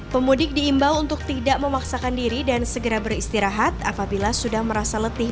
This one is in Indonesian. pemudik diimbau untuk tidak memaksakan diri dan segera beristirahat apabila sudah merasa letih